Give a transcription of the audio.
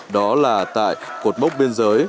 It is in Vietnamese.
đó là tại cột mốc biên giới